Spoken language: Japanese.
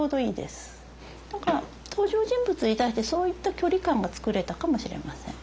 だから登場人物に対してそういった距離感が作れたかもしれません。